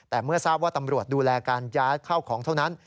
แต่เมื่อทราบว่าตำรวจดูแลการย้ายเข้าของเท่านั้น